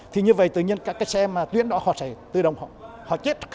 thì như vậy tự nhiên các cái xe mà tuyến đó họ sẽ tự động họ chết